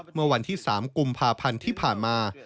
เมื่อวันที่๓กุมภาพันธ์ที่ผ่านมา